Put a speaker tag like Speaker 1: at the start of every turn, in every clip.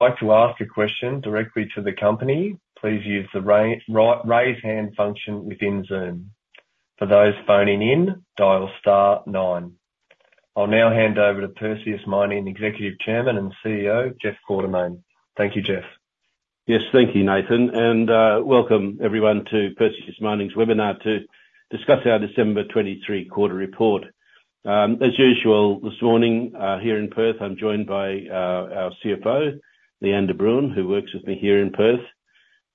Speaker 1: Like to ask a question directly to the company, please use the raise hand function within Zoom. For those phoning in, dial star nine. I'll now hand over to Perseus Mining Executive Chairman and CEO, Jeff Quartermaine. Thank you, Jeff.
Speaker 2: Yes, thank you, Nathan, and welcome everyone to Perseus Mining's webinar to discuss our December 2023 quarter report. As usual, this morning here in Perth, I'm joined by our CFO, Lee-Anne de Bruin, who works with me here in Perth,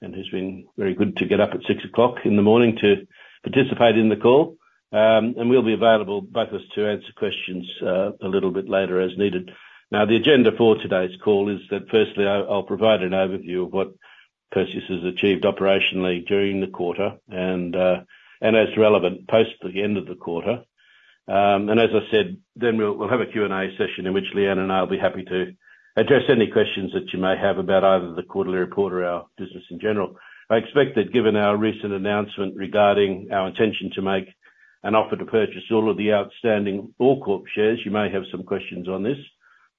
Speaker 2: and who's been very good to get up at 6:00 A.M. to participate in the call. And we'll be available, both of us, to answer questions a little bit later as needed. Now, the agenda for today's call is that firstly, I, I'll provide an overview of what Perseus has achieved operationally during the quarter, and as relevant, post the end of the quarter. And as I said, then we'll have a Q&A session in which Lee-Anne and I will be happy to address any questions that you may have about either the quarterly report or our business in general. I expect that given our recent announcement regarding our intention to make an offer to purchase all of the outstanding OreCorp shares, you may have some questions on this,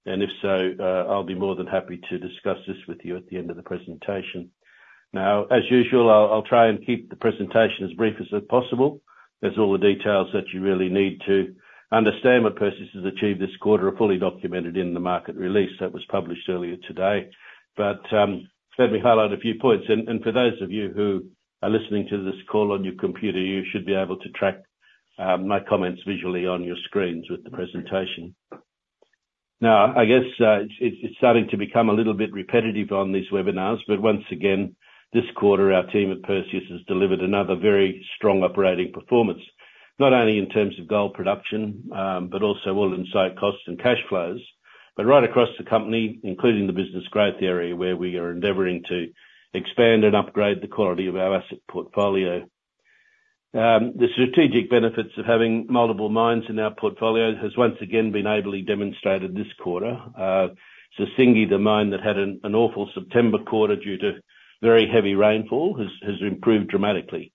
Speaker 2: and if so, I'll be more than happy to discuss this with you at the end of the presentation. Now, as usual, I'll try and keep the presentation as brief as possible. As all the details that you really need to understand what Perseus has achieved this quarter are fully documented in the market release that was published earlier today. But, let me highlight a few points, and for those of you who are listening to this call on your computer, you should be able to track my comments visually on your screens with the presentation. Now, I guess, it's starting to become a little bit repetitive on these webinars, but once again, this quarter, our team at Perseus has delivered another very strong operating performance. Not only in terms of gold production, but also AISC and cash flows, but right across the company, including the business growth area, where we are endeavoring to expand and upgrade the quality of our asset portfolio. The strategic benefits of having multiple mines in our portfolio has once again been ably demonstrated this quarter. Sissingué, the mine that had an awful September quarter due to very heavy rainfall, has improved dramatically.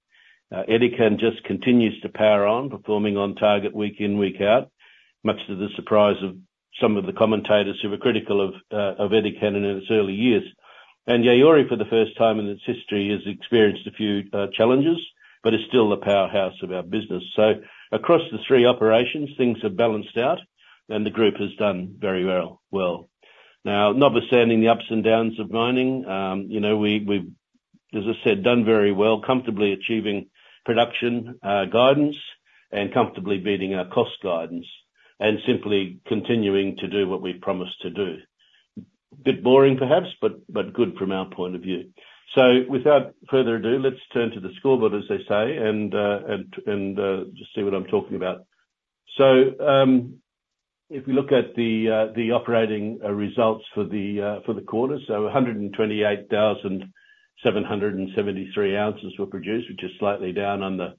Speaker 2: Edikan just continues to power on, performing on target, week in, week out, much to the surprise of some of the commentators who were critical of Edikan in its early years. Yaouré, for the first time in its history, has experienced a few challenges, but is still the powerhouse of our business. Across the three operations, things have balanced out, and the group has done very well. Now, notwithstanding the ups and downs of mining, you know, we've, as I said, done very well, comfortably achieving production guidance and comfortably beating our cost guidance, and simply continuing to do what we've promised to do. Bit boring, perhaps, but good from our point of view. Without further ado, let's turn to the scoreboard, as they say, and just see what I'm talking about. If we look at the operating results for the quarter, 128,773 ounces were produced, which is slightly down on the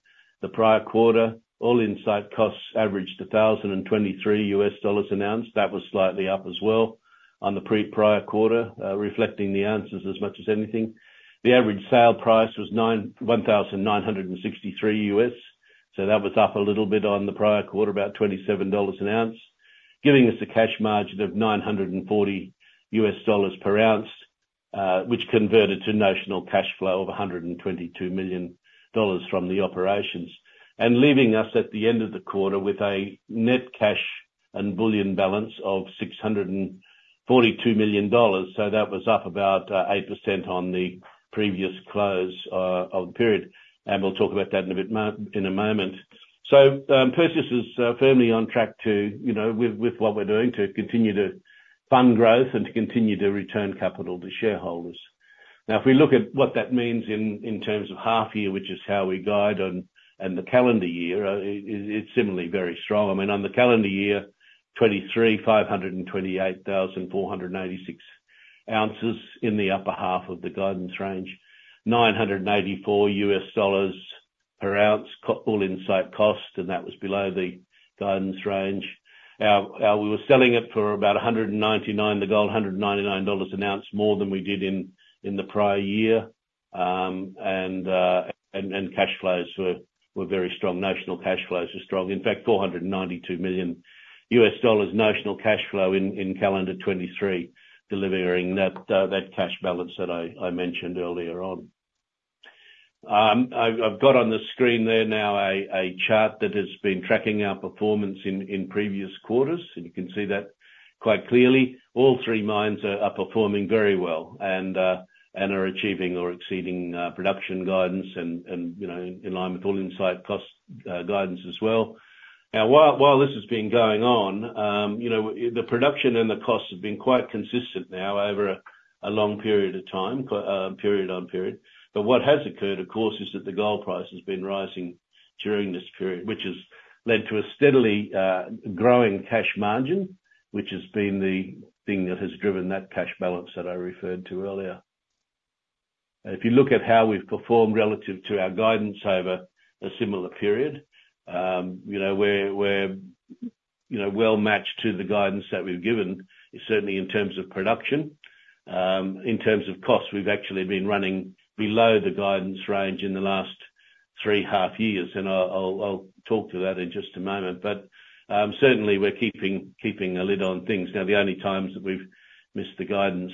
Speaker 2: prior quarter. All-in site costs averaged $1,023 an ounce. That was slightly up as well on the prior quarter, reflecting the ounces as much as anything. The average sale price was $1,963, so that was up a little bit on the prior quarter, about $27 an ounce, giving us a cash margin of $940 per ounce, which converted to notional cash flow of $122 million from the operations. Leaving us at the end of the quarter with a net cash and bullion balance of $642 million. So that was up about 8% on the previous close of the period, and we'll talk about that in a moment. So, Perseus is firmly on track to, you know, with what we're doing, to continue to fund growth and to continue to return capital to shareholders. Now, if we look at what that means in terms of half year, which is how we guide on the calendar year, it's similarly very strong. I mean, on the calendar year 2023, 528,486 ounces in the upper half of the guidance range. $984 per ounce AISC, all-in site cost, and that was below the guidance range. We were selling it for about $199, the gold, $199 an ounce more than we did in the prior year. Cash flows were very strong. Notional cash flows were strong. In fact, $492 million notional cash flow in calendar 2023, delivering that cash balance that I mentioned earlier on. I've got on the screen there now a chart that has been tracking our performance in previous quarters, and you can see that quite clearly. All three mines are performing very well, and are achieving or exceeding production guidance, and, you know, in line with all-in site cost guidance as well. Now, while this has been going on, you know, the production and the costs have been quite consistent now over a long period of time, period on period. But what has occurred, of course, is that the gold price has been rising during this period, which has led to a steadily growing cash margin, which has been the thing that has driven that cash balance that I referred to earlier. If you look at how we've performed relative to our guidance over a similar period, you know, we're well-matched to the guidance that we've given, certainly in terms of production. In terms of costs, we've actually been running below the guidance range in the last three half years, and I'll talk to that in just a moment. But certainly we're keeping a lid on things. Now, the only times that we've missed the guidance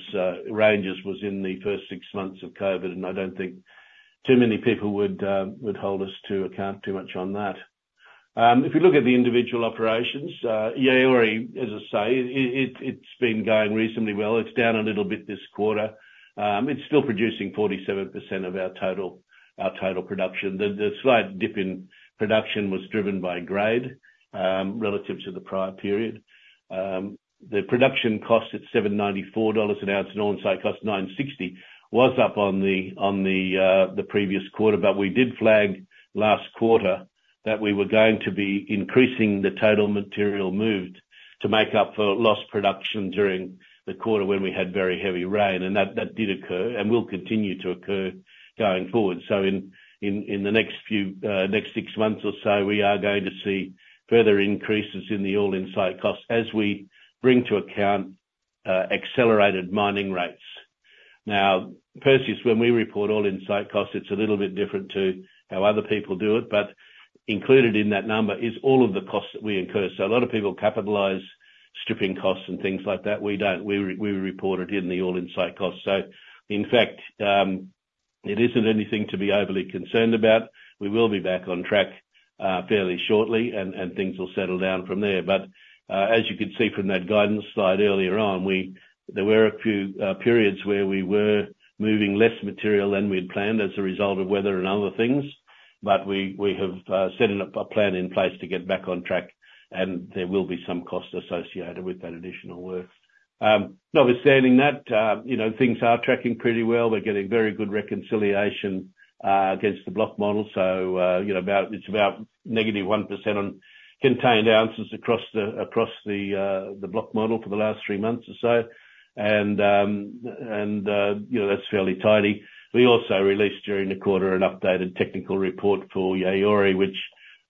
Speaker 2: ranges was in the first six months of COVID, and I don't think too many people would hold us to account too much on that. If you look at the individual operations, Yaouré, as I say, it's been going reasonably well. It's down a little bit this quarter. It's still producing 47% of our total production. The slight dip in production was driven by grade relative to the prior period. The production cost at $794 an ounce, and all-in site cost $960, was up on the previous quarter. But we did flag last quarter, that we were going to be increasing the total material moved, to make up for lost production during the quarter when we had very heavy rain, and that did occur and will continue to occur going forward. So next 6 months or so, we are going to see further increases in the all-in site costs as we bring to account accelerated mining rates. Now, Perseus, when we report all-in site costs, it's a little bit different to how other people do it, but included in that number is all of the costs that we incur. So a lot of people capitalize stripping costs and things like that. We don't. We report it in the all-in site costs. So in fact, it isn't anything to be overly concerned about. We will be back on track fairly shortly, and things will settle down from there. But as you can see from that guidance slide earlier on, there were a few periods where we were moving less material than we had planned as a result of weather and other things, but we have set a plan in place to get back on track, and there will be some costs associated with that additional work. Notwithstanding that, you know, things are tracking pretty well. We're getting very good reconciliation against the block model. So, you know, about, it's about negative 1% on contained ounces across the, across the, the block model for the last three months or so. And you know, that's fairly tidy. We also released, during the quarter, an updated technical report for Yaouré, which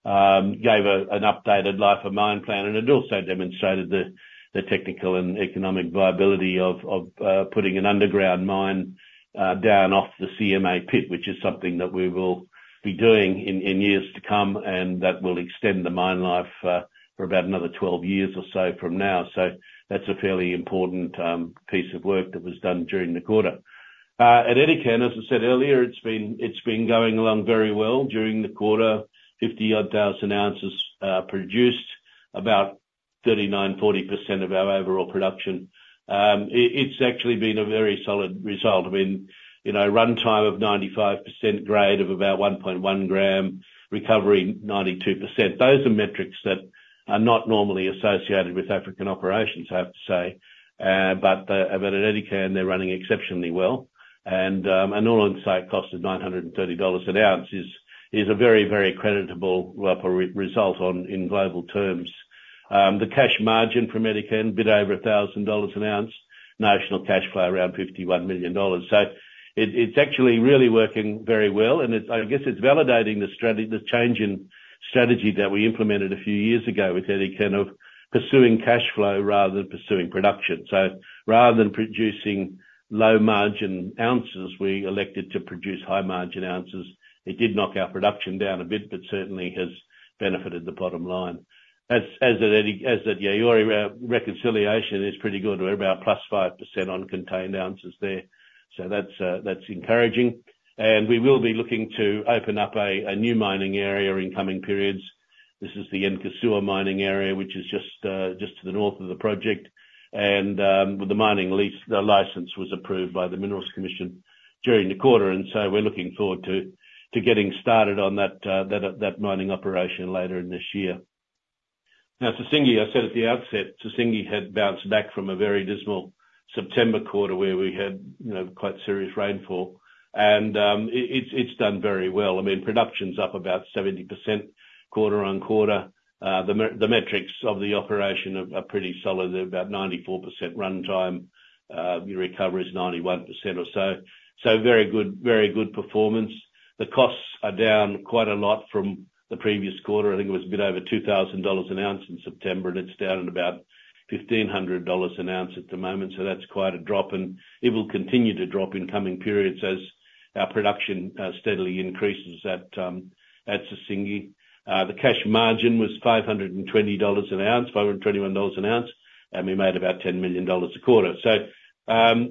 Speaker 2: gave an updated life of mine plan, and it also demonstrated the technical and economic viability of putting an underground mine down off the CMA pit, which is something that we will be doing in years to come, and that will extend the mine life for about another 12 years or so from now. So that's a fairly important piece of work that was done during the quarter. At Edikan, as I said earlier, it's been going along very well during the quarter. 50-odd thousand ounces produced, about 39%-40% of our overall production. It's actually been a very solid result. I mean, you know, runtime of 95%, grade of about 1.1 gram, recovery 92%. Those are metrics that are not normally associated with African operations, I have to say. But at Edikan, they're running exceptionally well, and an all-in site cost of $930 an ounce is a very, very creditable result in global terms. The cash margin for Edikan, a bit over $1,000 an ounce. Notional cash flow, around $51 million. So it's actually really working very well, and it's, I guess it's validating the strategy, the change in strategy that we implemented a few years ago with Edikan, of pursuing cashflow rather than pursuing production. So rather than producing low margin ounces, we elected to produce high margin ounces. It did knock our production down a bit, but certainly has benefited the bottom line. As at Edikan, as at Yaouré, reconciliation is pretty good. We're about +5% on contained ounces there. So that's encouraging. And we will be looking to open up a new mining area in coming periods. This is the Nkosuo mining area, which is just to the north of the project. And with the mining lease, the license was approved by the Minerals Commission during the quarter, and so we're looking forward to getting started on that mining operation later in this year. Now, Sissingué, I said at the outset, Sissingué had bounced back from a very dismal September quarter, where we had, you know, quite serious rainfall. It's done very well. I mean, production's up about 70% quarter-on-quarter. The metrics of the operation are pretty solid. They're about 94% runtime. The recovery is 91% or so. So very good, very good performance. The costs are down quite a lot from the previous quarter. I think it was a bit over $2,000 an ounce in September, and it's down at about $1,500 an ounce at the moment, so that's quite a drop, and it will continue to drop in coming periods as our production steadily increases at Sissingué. The cash margin was $520 an ounce, $521 an ounce, and we made about $10 million a quarter. So,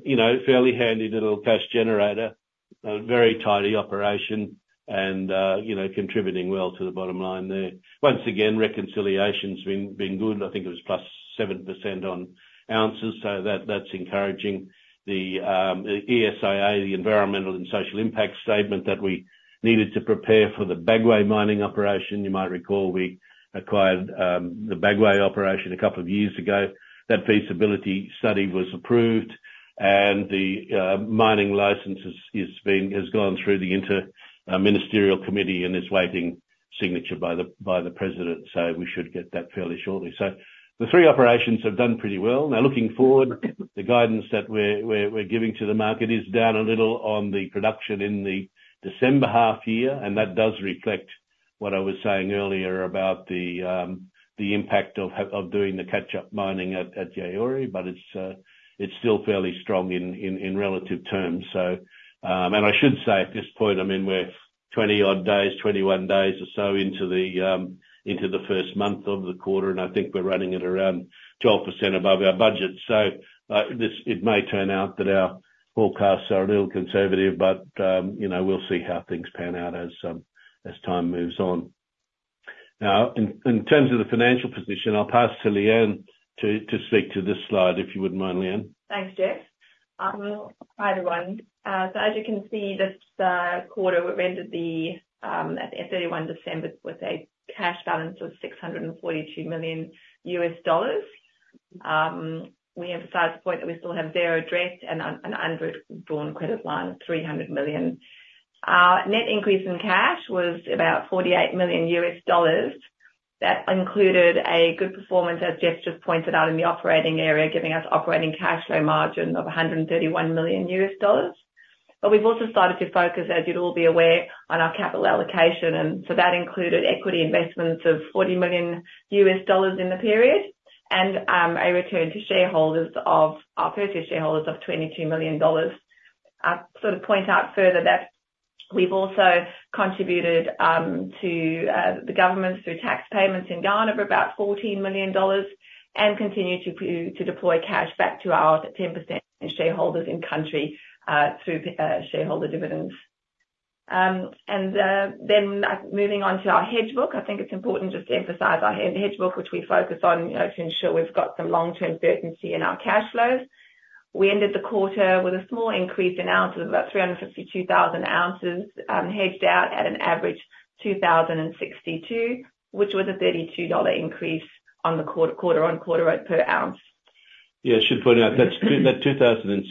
Speaker 2: you know, fairly handy little cash generator, a very tidy operation, and, you know, contributing well to the bottom line there. Once again, reconciliation's been good. I think it was +7% on ounces, so that's encouraging. The ESIA, the Environmental and Social Impact Statement that we needed to prepare for the Bagoé mining operation, you might recall, we acquired the Bagoé operation a couple of years ago. That feasibility study was approved, and the mining license has gone through the Inter-Ministerial Committee, and is awaiting signature by the president. So we should get that fairly shortly. So the three operations have done pretty well. Now, looking forward, the guidance that we're giving to the market is down a little on the production in the December half year, and that does reflect what I was saying earlier about the impact of doing the catch-up mining at Yaouré, but it's still fairly strong in relative terms. So, and I should say at this point, I mean, we're 20-odd days, 21 days or so into the first month of the quarter, and I think we're running at around 12% above our budget. So, it may turn out that our forecasts are a little conservative, but you know, we'll see how things pan out as time moves on. Now, in terms of the financial position, I'll pass to Lee-Anne to speak to this slide, if you wouldn't mind, Lee-Anne.
Speaker 3: Thanks, Jeff. Well, hi, everyone. So as you can see, this quarter, we ended at 31 December with a cash balance of $642 million. We emphasize the point that we still have zero debt and an undrawn credit line of $300 million. Our net increase in cash was about $48 million. That included a good performance, as Jeff just pointed out in the operating area, giving us operating cash flow margin of $131 million. But we've also started to focus, as you'd all be aware, on our capital allocation, and so that included equity investments of $40 million in the period, and a return to shareholders of $22 million. I'll sort of point out further that we've also contributed to the government through tax payments in Ghana for about $14 million, and continue to deploy cash back to our 10% shareholders in-country through shareholder dividends. And then moving on to our hedge book, I think it's important just to emphasize our hedge book, which we focus on, you know, to ensure we've got some long-term certainty in our cash flows. We ended the quarter with a small increase in ounces, about 352,000 ounces hedged out at an average $2,062, which was a $32 increase on the quarter, quarter-on-quarter per ounce.
Speaker 2: Yeah, I should point out that's that $2,062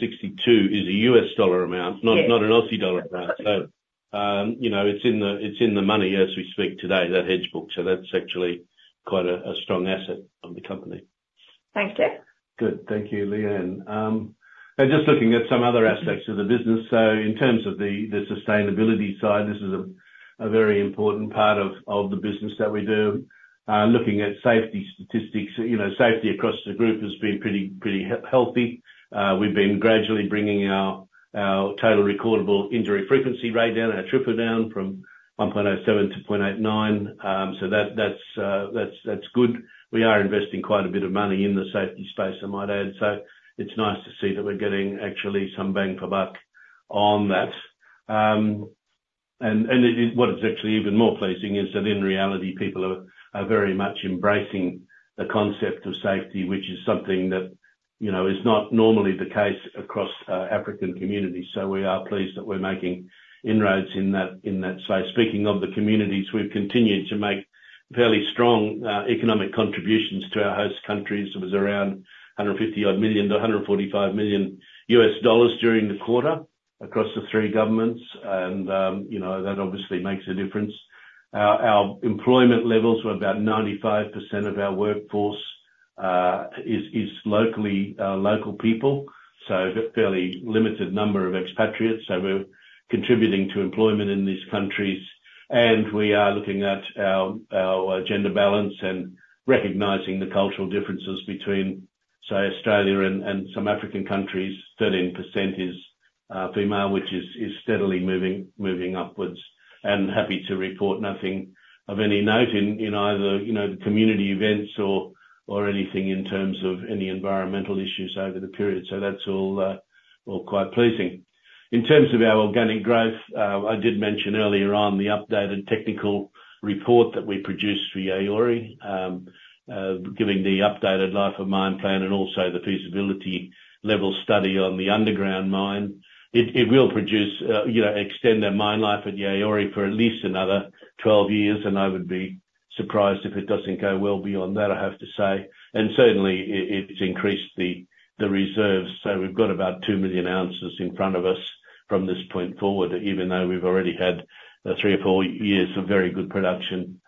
Speaker 2: is a U.S. dollar amount-
Speaker 3: Yes.
Speaker 2: not an Aussie dollar amount. So, you know, it's in the money as we speak today, that hedge book, so that's actually quite a strong asset of the company.
Speaker 3: Thanks, Jeff.
Speaker 2: Good. Thank you, Lee-Anne. And just looking at some other aspects of the business, so in terms of the sustainability side, this is a very important part of the business that we do. Looking at safety statistics, you know, safety across the group has been pretty healthy. We've been gradually bringing our total recordable injury frequency rate down, and our TRIFR down from 1.07 to 0.89. So that's good. We are investing quite a bit of money in the safety space, I might add, so it's nice to see that we're getting actually some bang for buck on that. And what is actually even more pleasing is that in reality, people are very much embracing the concept of safety, which is something that, you know, is not normally the case across African communities. So we are pleased that we're making inroads in that space. Speaking of the communities, we've continued to make fairly strong economic contributions to our host countries. It was around $150-odd million to $145 million during the quarter across the three governments, and, you know, that obviously makes a difference. Our employment levels were about 95% of our workforce is local people, so a fairly limited number of expatriates. So we're contributing to employment in these countries, and we are looking at our, our gender balance, and recognizing the cultural differences between, say, Australia and, and some African countries. 13% is female, which is, is steadily moving, moving upwards, and happy to report nothing of any note in, in either, you know, the community events or, or anything in terms of any environmental issues over the period. So that's all, all quite pleasing. In terms of our organic growth, I did mention earlier on the updated technical report that we produced for Yaouré, giving the updated life of mine plan and also the feasibility level study on the underground mine. It will produce, you know, extend the mine life at Yaouré for at least another 12 years, and I would be surprised if it doesn't go well beyond that, I have to say. Certainly, it's increased the reserves, so we've got about 2 million ounces in front of us from this point forward, even though we've already had three or four years of very good production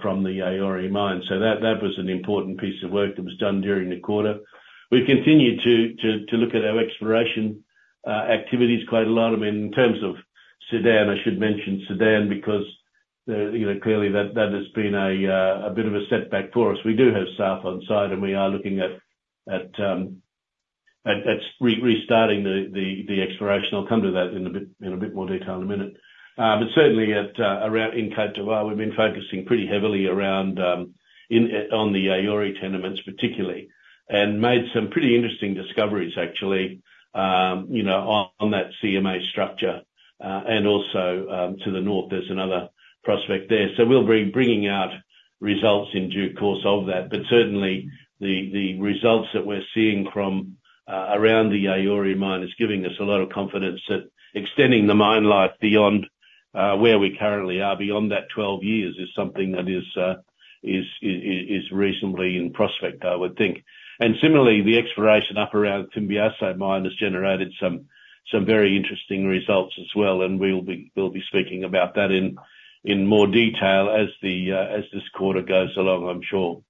Speaker 2: from the Yaouré mine. That was an important piece of work that was done during the quarter. We've continued to look at our exploration activities quite a lot. I mean, in terms of Sudan, I should mention Sudan, because, you know, clearly that has been a bit of a setback for us. We do have staff on site, and we are looking at restarting the exploration. I'll come to that in a bit more detail in a minute. But certainly at around in Côte d'Ivoire, we've been focusing pretty heavily around on the Yaouré tenements particularly, and made some pretty interesting discoveries actually, you know, on that CMA structure. And also, to the north, there's another prospect there. So we'll be bringing out results in due course of that, but certainly, the results that we're seeing from around the Yaouré mine is giving us a lot of confidence that extending the mine life beyond where we currently are, beyond that 12 years, is something that is reasonably in prospect, I would think. And similarly, the exploration up around Fimbiasso mine has generated some very interesting results as well, and we'll be speaking about that in more detail as this quarter goes along, I'm sure.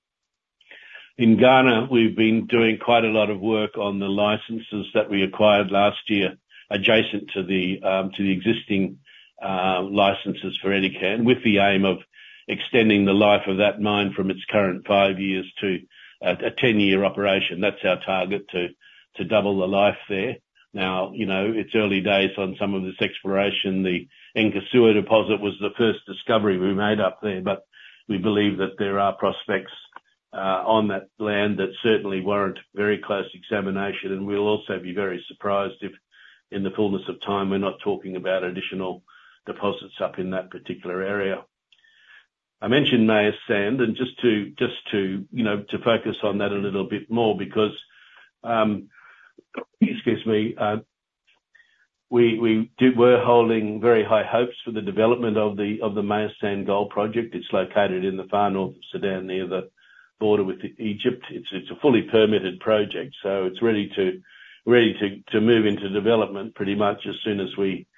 Speaker 2: In Ghana, we've been doing quite a lot of work on the licenses that we acquired last year, adjacent to the existing licenses for Edikan, with the aim of extending the life of that mine from its current five years to a 10-year operation. That's our target, to double the life there. Now, you know, it's early days on some of this exploration. The Nkosuo deposit was the first discovery we made up there, but we believe that there are prospects on that land that certainly warrant very close examination. And we'll also be very surprised if, in the fullness of time, we're not talking about additional deposits up in that particular area. I mentioned Meyas Sand, and just to, you know, to focus on that a little bit more because we were holding very high hopes for the development of the Meyas Sand Gold Project. It's located in the far north Sudan, near the border with Egypt. It's a fully permitted project, so it's ready to move into development pretty much as soon as we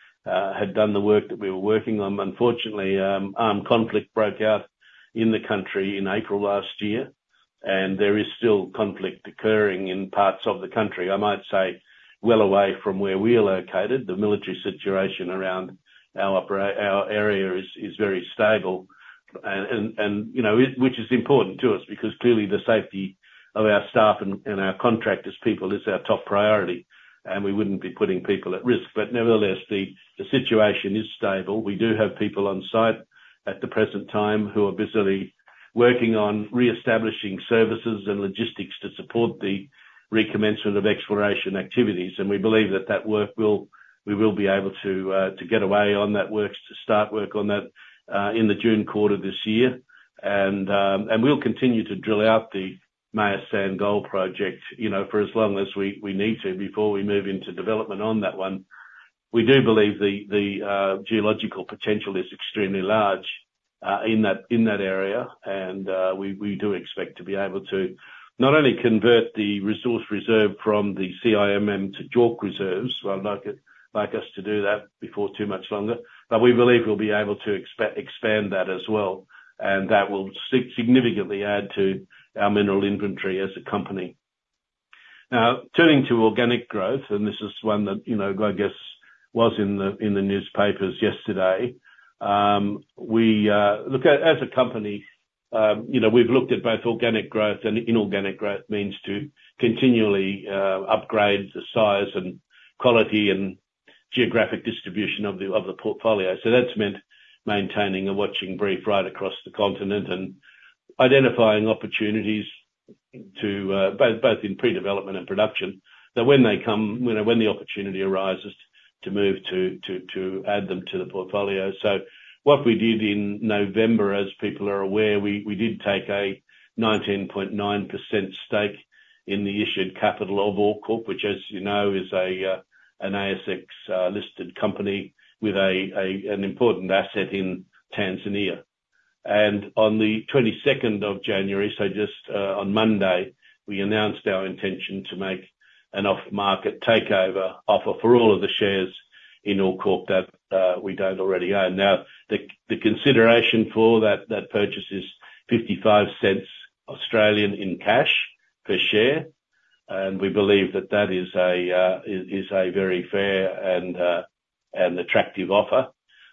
Speaker 2: had done the work that we were working on. Unfortunately, armed conflict broke out in the country in April last year, and there is still conflict occurring in parts of the country. I might say, well away from where we are located, the military situation around our area is very stable. And, you know, which is important to us, because clearly the safety of our staff and our contractors' people is our top priority, and we wouldn't be putting people at risk. But nevertheless, the situation is stable. We do have people on site at the present time who are busily working on reestablishing services and logistics to support the recommencement of exploration activities. And we believe that that work will we will be able to to get away on that works, to start work on that, in the June quarter this year. And we'll continue to drill out the Meyas Sand Gold Project, you know, for as long as we need to, before we move into development on that one. We do believe the geological potential is extremely large in that area. And we do expect to be able to not only convert the resource reserve from the CIM to JORC reserves, I'd like us to do that before too much longer, but we believe we'll be able to expand that as well. And that will significantly add to our mineral inventory as a company. Now, turning to organic growth, and this is one that, you know, I guess, was in the newspapers yesterday. We... Look, as a company, you know, we've looked at both organic growth and inorganic growth means to continually upgrade the size, and quality, and geographic distribution of the portfolio. So that's meant maintaining a watching brief right across the continent, and identifying opportunities to both in pre-development and production, that when they come, when the opportunity arises, to add them to the portfolio. So what we did in November, as people are aware, we did take a 19.9% stake in the issued capital of OreCorp, which, as you know, is a ASX listed company with a important asset in Tanzania. On the twenty-second of January, so just on Monday, we announced our intention to make an off-market takeover offer for all of the shares in OreCorp that we don't already own. Now, the consideration for that purchase is 0.55 in cash per share, and we believe that that is a very fair and attractive offer.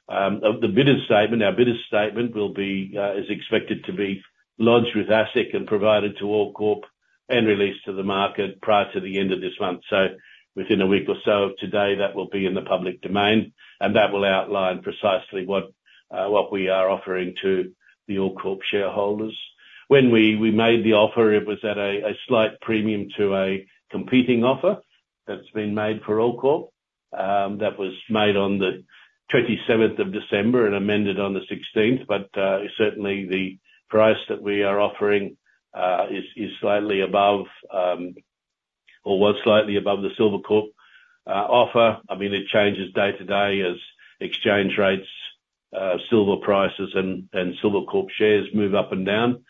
Speaker 2: The bidder statement, our bidder statement, is expected to be lodged with ASIC and provided to OreCorp, and released to the market prior to the end of this month. So within a week or so of today, that will be in the public domain, and that will outline precisely what we are offering to the OreCorp shareholders. When we made the offer, it was at a slight premium to a competing offer that's been made for OreCorp, that was made on the twenty-seventh of December and amended on the sixteenth. But certainly the price that we are offering is slightly above, or was slightly above the Silvercorp offer. I mean, it changes day to day as exchange rates, silver prices, and Silvercorp shares move up and down,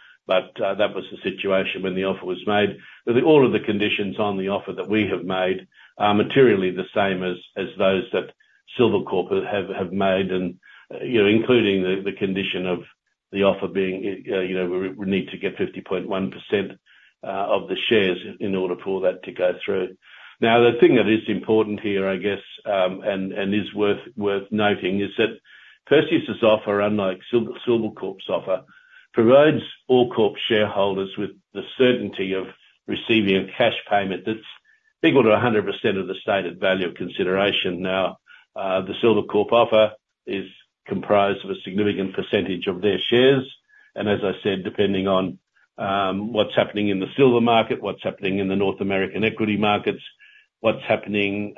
Speaker 2: but that was the situation when the offer was made. But all of the conditions on the offer that we have made are materially the same as those that Silvercorp have made, and, you know, including the condition of the offer being, you know, we need to get 50.1% of the shares in order for that to go through. Now, the thing that is important here, I guess, and is worth noting, is that Perseus' offer, unlike Silvercorp's offer, provides OreCorp shareholders with the certainty of receiving a cash payment that's equal to 100% of the stated value of consideration. Now, the Silvercorp offer is comprised of a significant percentage of their shares, and as I said, depending on what's happening in the silver market, what's happening in the North American equity markets, what's happening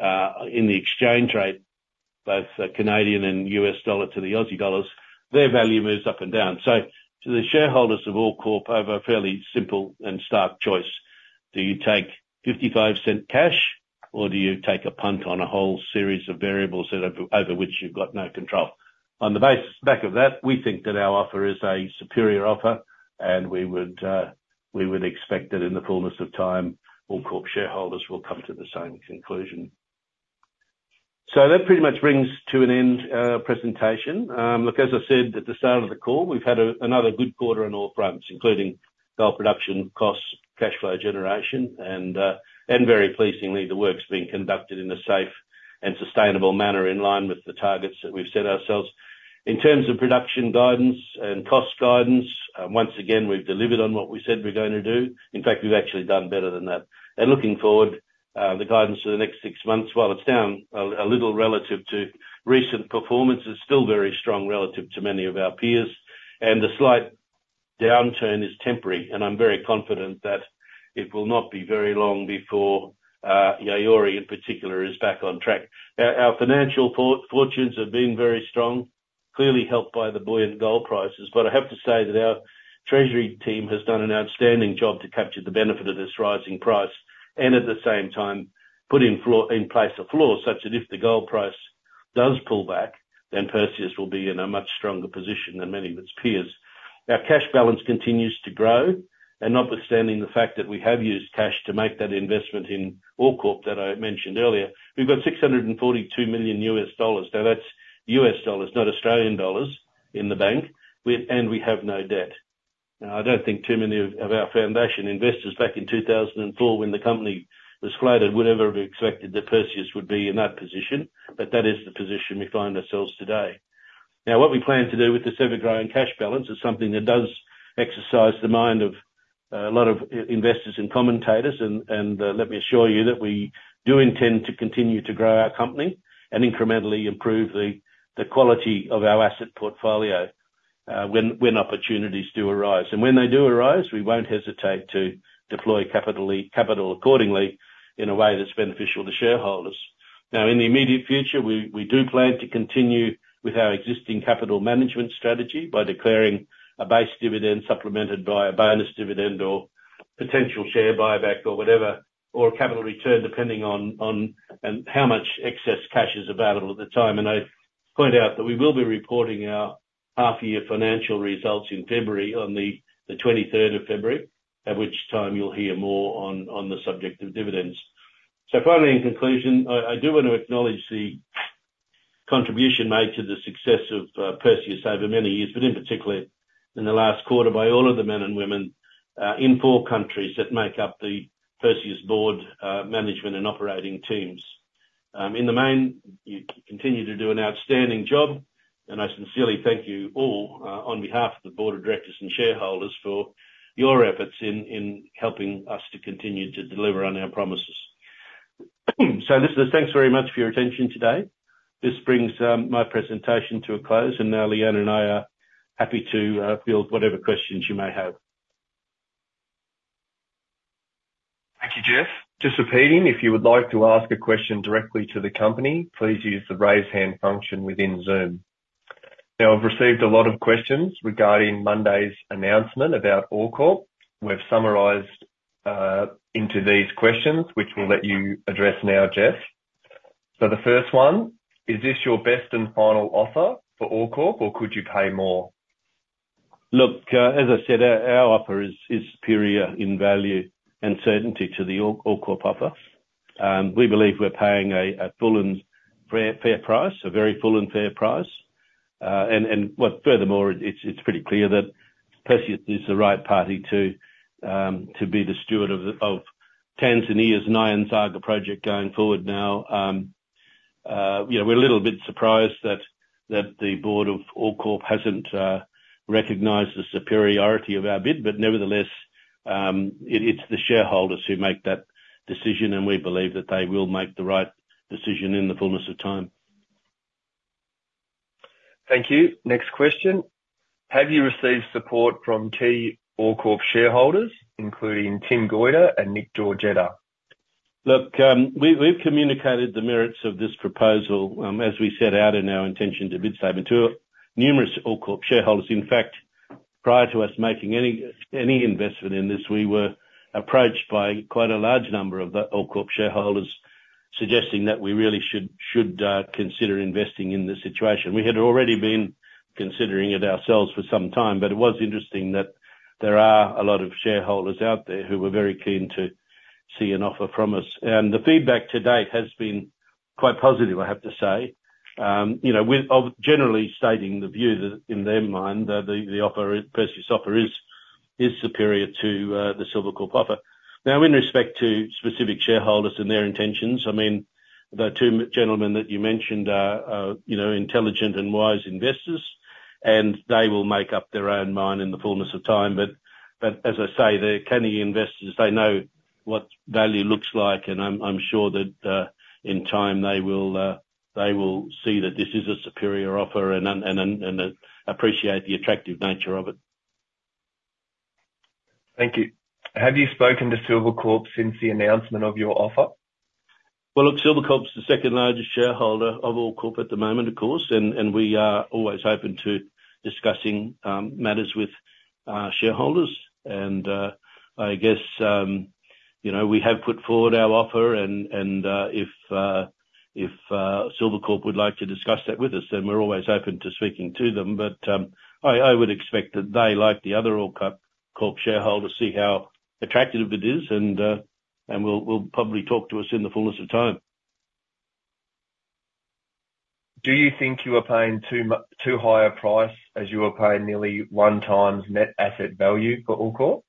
Speaker 2: in the exchange rate, both the Canadian and U.S. dollar to the Aussie dollars, their value moves up and down. So to the shareholders of OreCorp over a fairly simple and stark choice: Do you take 0.55 cash, or do you take a punt on a whole series of variables that over which you've got no control? On the back of that, we think that our offer is a superior offer, and we would expect that in the fullness of time, OreCorp shareholders will come to the same conclusion. So that pretty much brings to an end presentation. Look, as I said at the start of the call, we've had another good quarter on all fronts, including gold production costs, cash flow generation, and very pleasingly, the work's being conducted in a safe and sustainable manner, in line with the targets that we've set ourselves. In terms of production guidance and cost guidance, once again, we've delivered on what we said we're going to do. In fact, we've actually done better than that. Looking forward, the guidance for the next six months, while it's down a little relative to recent performance, is still very strong relative to many of our peers. The slight downturn is temporary, and I'm very confident that it will not be very long before Yaouré, in particular, is back on track. Our financial fortunes have been very strong, clearly helped by the buoyant gold prices. But I have to say that our treasury team has done an outstanding job to capture the benefit of this rising price, and at the same time, put in place a floor, such that if the gold price does pull back, then Perseus will be in a much stronger position than many of its peers. Our cash balance continues to grow, and notwithstanding the fact that we have used cash to make that investment in OreCorp, that I mentioned earlier, we've got $642 million. Now, that's U.S. dollars, not Australian dollars, in the bank. And we have no debt. Now, I don't think too many of our foundation investors back in 2004, when the company was floated, would ever have expected that Perseus would be in that position, but that is the position we find ourselves today. Now, what we plan to do with this ever-growing cash balance is something that does exercise the mind of a lot of investors and commentators, and let me assure you that we do intend to continue to grow our company, and incrementally improve the quality of our asset portfolio, when opportunities do arise. And when they do arise, we won't hesitate to deploy capital accordingly, in a way that's beneficial to shareholders. Now, in the immediate future, we, we do plan to continue with our existing capital management strategy, by declaring a base dividend, supplemented by a bonus dividend or potential share buyback, or whatever, or a capital return, depending on, on, how much excess cash is available at the time. And I point out that we will be reporting our half-year financial results in February, on the, the twenty-third of February, at which time you'll hear more on, on the subject of dividends. So finally, in conclusion, I, I do want to acknowledge the contribution made to the success of, Perseus over many years, but in particular, in the last quarter, by all of the men and women, in four countries that make up the Perseus board, management and operating teams. In the main, you continue to do an outstanding job, and I sincerely thank you all, on behalf of the board of directors and shareholders, for your efforts in helping us to continue to deliver on our promises. So listen, thanks very much for your attention today. This brings my presentation to a close, and now Lee-Anne and I are happy to field whatever questions you may have.
Speaker 1: Thank you, Jeff. Just repeating, if you would like to ask a question directly to the company, please use the Raise Hand function within Zoom. Now, I've received a lot of questions regarding Monday's announcement about OreCorp. We've summarized into these questions, which we'll let you address now, Jeff. The first one: Is this your best and final offer for OreCorp, or could you pay more?
Speaker 2: Look, as I said, our offer is superior in value and certainty to the OreCorp offer. We believe we're paying a full and fair price, a very full and fair price. Furthermore, it's pretty clear that Perseus is the right party to be the steward of Tanzania's Nyanzaga project going forward now. You know, we're a little bit surprised that the board of OreCorp hasn't recognized the superiority of our bid, but nevertheless, it's the shareholders who make that decision, and we believe that they will make the right decision in the fullness of time.
Speaker 1: Thank you. Next question: Have you received support from key OreCorp shareholders, including Tim Goyder and Nick Giorgetta?
Speaker 2: Look, we've communicated the merits of this proposal, as we set out in our intention to bid statement, to numerous OreCorp shareholders. In fact, prior to us making any investment in this, we were approached by quite a large number of the OreCorp shareholders, suggesting that we really should consider investing in this situation. We had already been considering it ourselves for some time, but it was interesting that there are a lot of shareholders out there who were very keen to see an offer from us. And the feedback to date has been quite positive, I have to say. You know, generally stating the view that, in their mind, the Perseus offer is superior to the Silvercorp offer. Now, in respect to specific shareholders and their intentions, I mean, the two gentlemen that you mentioned are, you know, intelligent and wise investors, and they will make up their own mind in the fullness of time. But as I say, they're cunning investors, they know what value looks like, and I'm sure that in time, they will see that this is a superior offer, and appreciate the attractive nature of it.
Speaker 1: Thank you. Have you spoken to Silvercorp since the announcement of your offer?
Speaker 2: Well, look, Silvercorp's the second largest shareholder of OreCorp at the moment, of course, and, and we are always open to discussing matters with shareholders. And, I guess, you know, we have put forward our offer and, and, if, if, Silvercorp would like to discuss that with us, then we're always open to speaking to them. But, I, I would expect that they, like the other OreCorp shareholders see how attractive it is, and, and will, will probably talk to us in the fullest of time.
Speaker 1: Do you think you are paying too high a price, as you are paying nearly 1x net asset value for OreCorp?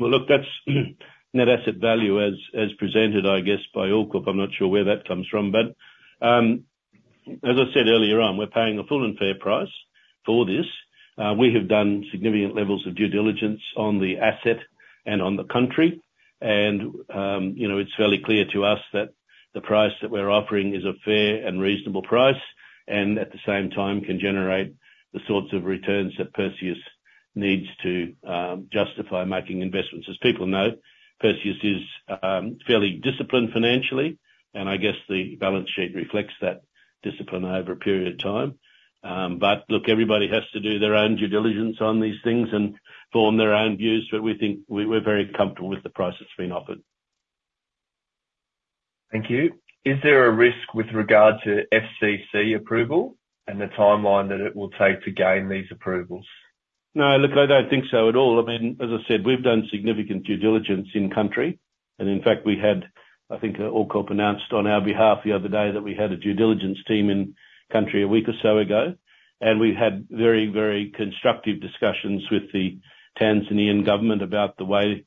Speaker 2: Well, look, that's net asset value as, as presented, I guess, by OreCorp. I'm not sure where that comes from, but, as I said earlier on, we're paying a full and fair price for this. We have done significant levels of due diligence on the asset and on the country. And, you know, it's fairly clear to us that the price that we're offering is a fair and reasonable price, and at the same time, can generate the sorts of returns that Perseus needs to justify making investments. As people know, Perseus is fairly disciplined financially, and I guess the balance sheet reflects that discipline over a period of time. But look, everybody has to do their own due diligence on these things and form their own views, but we think we're very comfortable with the price that's been offered.
Speaker 1: Thank you. Is there a risk with regard to FCC approval, and the timeline that it will take to gain these approvals?
Speaker 2: No, look, I don't think so at all. I mean, as I said, we've done significant due diligence in country, and in fact, we had... I think, OreCorp announced on our behalf the other day, that we had a due diligence team in country a week or so ago. And we've had very, very constructive discussions with the Tanzanian government about the way,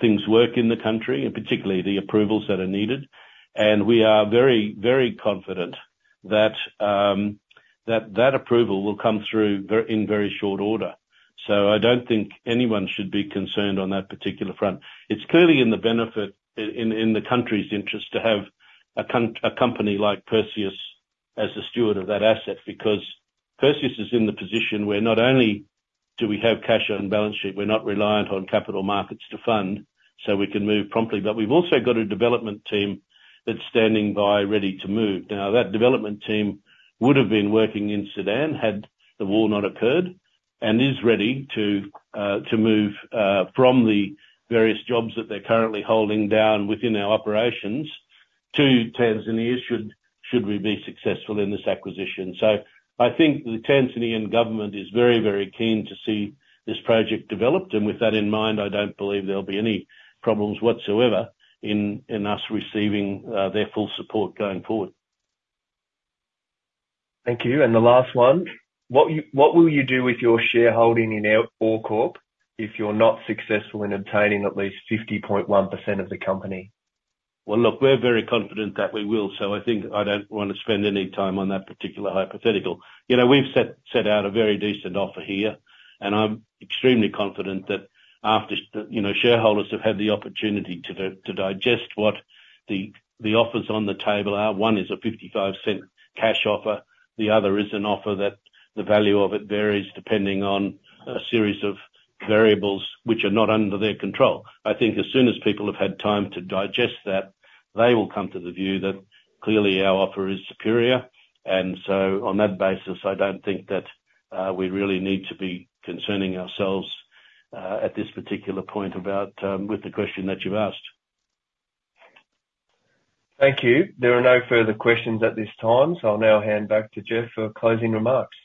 Speaker 2: things work in the country, and particularly the approvals that are needed. And we are very, very confident that, that approval will come through in very short order. So I don't think anyone should be concerned on that particular front. It's clearly in the benefit, in the country's interest, to have a company like Perseus as a steward of that asset, because Perseus is in the position where not only do we have cash on balance sheet, we're not reliant on capital markets to fund, so we can move promptly. But we've also got a development team that's standing by, ready to move. Now, that development team would've been working in Sudan, had the war not occurred, and is ready to move from the various jobs that they're currently holding down within our operations, to Tanzania, should we be successful in this acquisition. So I think the Tanzanian government is very, very keen to see this project developed, and with that in mind, I don't believe there'll be any problems whatsoever in us receiving their full support going forward.
Speaker 1: Thank you. And the last one: What will you do with your shareholding in OreCorp, if you're not successful in obtaining at least 50.1% of the company?
Speaker 2: Well, look, we're very confident that we will, so I think I don't wanna spend any time on that particular hypothetical. You know, we've set, set out a very decent offer here, and I'm extremely confident that after you know, shareholders have had the opportunity to to digest what the, the offers on the table are, one is a $0.55 cash offer, the other is an offer that the value of it varies depending on a series of variables which are not under their control. I think as soon as people have had time to digest that, they will come to the view that clearly our offer is superior. And so on that basis, I don't think that we really need to be concerning ourselves at this particular point about with the question that you've asked.
Speaker 1: Thank you. There are no further questions at this time, so I'll now hand back to Jeff for closing remarks.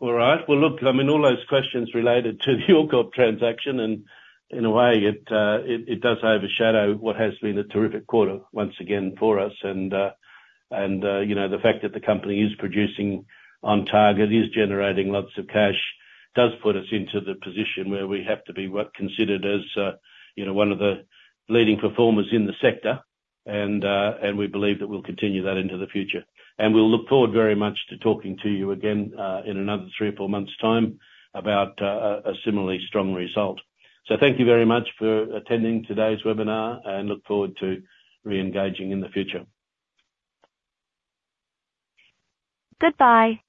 Speaker 2: All right. Well, look, I mean, all those questions related to the OreCorp transaction, and in a way, it does overshadow what has been a terrific quarter once again for us. And you know, the fact that the company is producing on target, is generating lots of cash, does put us into the position where we have to be considered as, you know, one of the leading performers in the sector, and we believe that we'll continue that into the future. And we'll look forward very much to talking to you again in another three or four months' time, about a similarly strong result. So thank you very much for attending today's webinar, and look forward to re-engaging in the future.
Speaker 3: Goodbye.